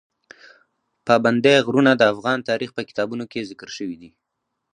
پابندی غرونه د افغان تاریخ په کتابونو کې ذکر شوی دي.